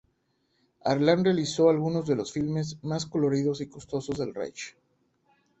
Harlan realizó algunos de los filmes más coloridos y costosos del Reich.